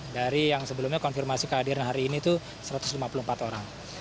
dari yang sebelumnya konfirmasi kehadiran hari ini itu satu ratus lima puluh empat orang